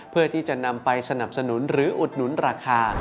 เพื่อที่จะนำไปสนับสนุนหรืออุดหนุนราคา